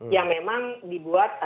yang memang dibuat